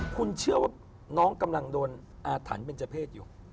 คุณเชื่อว่าน้องกำลังโดนอาถรรพ์เป็นเจ้าเพศอยู่